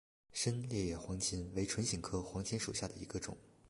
深裂叶黄芩为唇形科黄芩属下的一个种。